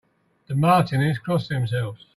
The Martinis cross themselves.